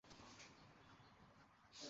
কিছু চলে টাইপ গোয়েন্দা আছে আরকি!